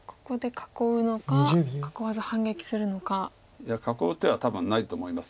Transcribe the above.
いや囲う手は多分ないと思います。